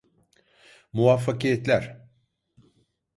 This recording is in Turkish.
Muvaffakiyetler!